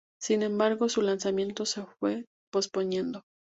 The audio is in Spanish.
Sin embargo, su lanzamiento se fue posponiendo.